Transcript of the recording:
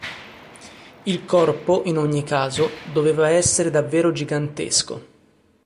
Il corpo, in ogni caso, doveva essere davvero gigantesco.